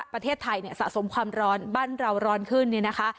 ประเทศไทยเนี่ยสะสมความร้อนบ้านเราร้อนขึ้นเนี่ยนะคะ